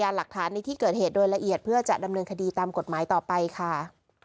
หลักฐานในที่เกิดเหตุโดยละเอียดเพื่อจะดำเนินคดีตามกฎหมายต่อไปค่ะ